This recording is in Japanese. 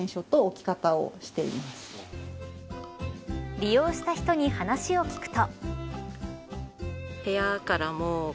利用した人に話を聞くと。